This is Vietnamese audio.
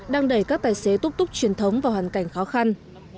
đang đẩy các tài xế túc túc truyền thống vào hoàn cảnh khó khăn